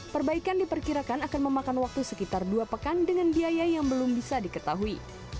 perbaikan diperkirakan akan memakan waktu sekitar dua pekan dengan biaya yang belum bisa diketahui